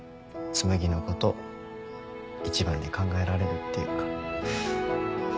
紬のこと一番に考えられるっていうか。